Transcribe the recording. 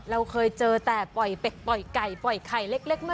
เราเคยเจอแต่ปล่อยเป็ดปล่อยไก่ปล่อยไข่เล็กมาก